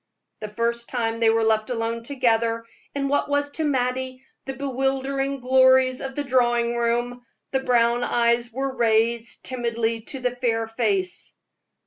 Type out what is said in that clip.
The first time they were left alone together in what was to Mattie the bewildering glories of the drawing room, the brown eyes were raised timidly to the fair face.